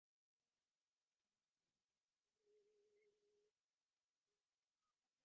ތިންދުވަހަށް ބެންކޮކަށް ދިޔަނަމަވެސް ނަވީން އެއައީ ހަފްތާއެއް ފަހުން